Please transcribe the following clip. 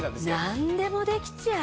なんでもできちゃう。